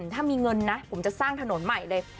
ถ้ามีเงินนะผมจะสร้างถนนใหม่เลย